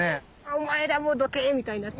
お前らもうどけみたいになってる。